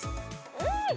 うん！